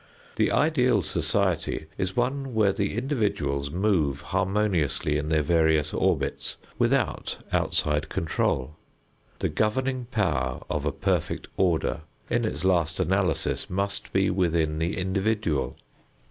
The ideal society is one where the individuals move harmoniously in their various orbits without outside control. The governing power of a perfect order in its last analysis must be within the individual.